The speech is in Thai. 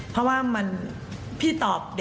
เพราะว่ามันพี่ตอบเด็กทั้ง๒๙คนไม่ได้